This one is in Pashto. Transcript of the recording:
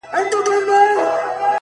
o چي ستا له سونډو نه خندا وړي څوك،